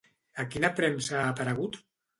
A quina premsa ha aparegut?